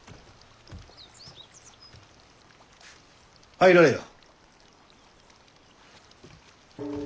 入られよ。